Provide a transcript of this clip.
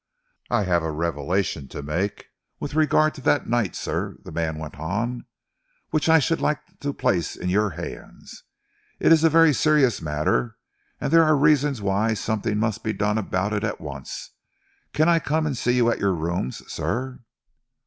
"I have a revelation to make with regard to that night, sir," the man went on, "which I should like to place in your hands. It is a very serious matter, and there are reasons why something must be done about it at once. Can I come and see you at your rooms, sir?"